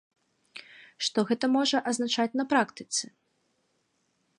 Што гэта можа азначаць на практыцы?